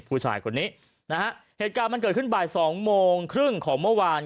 ผู้ชายคนนี้นะฮะเหตุการณ์มันเกิดขึ้นบ่ายสองโมงครึ่งของเมื่อวาน